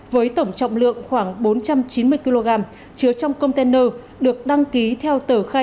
với tổng trọng lượng khoảng bốn trăm chín mươi kg chứa trong container được đăng ký theo tờ khai